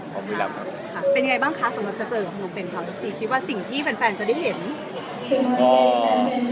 ก็สิ่งที่แฟนจะได้เห็น